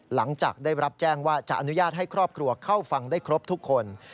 หลังจากได้รับแจ้งว่าจะอนุญาตให้ครอบครัวเข้าฟังได้ครบทุกคน